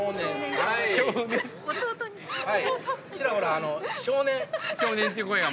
ちらほら「少年」「少年」っていう声が。